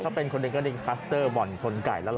ถ้าเป็นคนเดียวก็ได้คัสเตอร์บ่อนทนไก่แล้วหรอ